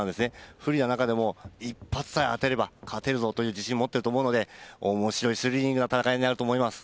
不利な中でも一発さえあてれば勝てるぞと自信身を持っていると思うので面白いスリリングな戦いになると思います。